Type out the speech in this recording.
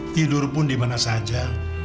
tidur pun dimana saja